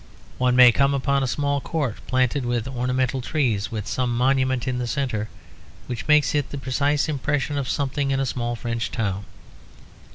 One may come upon a small court planted with ornamental trees with some monument in the centre, which makes the precise impression of something in a small French town.